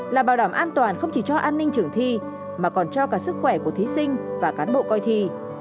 là bảo đảm an toàn không chỉ cho an ninh trưởng thi mà còn cho cả sức khỏe của thí sinh và cán bộ coi thi